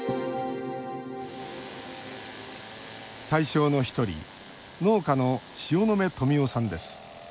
対象の１人、農家の塩野目富夫さんです。